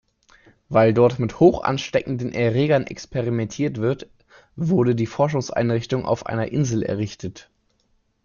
Weil dort mit hochansteckenden Erregern experimentiert wird, wurde die Forschungseinrichtung auf einer Insel errichtet.